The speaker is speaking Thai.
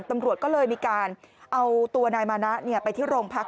ตำรวจก็เลยมีการเอาตัวนายมานะไปที่โรงพัก